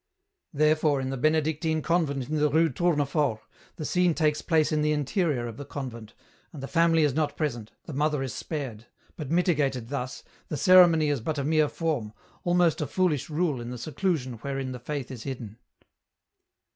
" Therefore in the Benedictine convent in the Rue Touniefort, the scene takes place in the interior of the convent, and the family is not present, the mother is spared, but mitigated thus, the ceremony is but a mere form, almost a foolish rule in the seclusion wherein the Faith is hidden."